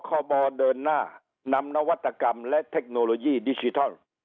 คบเดินหน้านำนวัตกรรมและเทคโนโลยีดิจิทัล